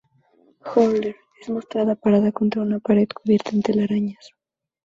Horler es mostrada parada contra una pared cubierta en telarañas.